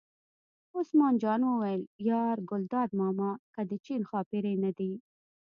عثمان جان وویل: یار ګلداد ماما که د چین ښاپېرۍ نه دي.